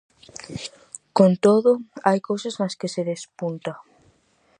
Con todo, hai cousas nas que se despunta.